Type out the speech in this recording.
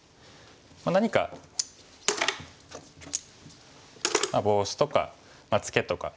何かボウシとかツケとか。